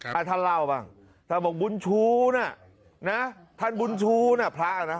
ถ้าท่านเล่าบ้างท่านบอกบุญชูน่ะนะท่านบุญชูนะพระอ่ะนะ